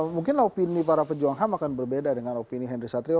mungkin opini para pejuang ham akan berbeda dengan opini henry satrio